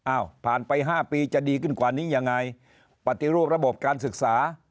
อ้าวผ่านไป๕ปีจะดีขึ้นกว่านี้ยังไงปฏิรูประบบการศึกษา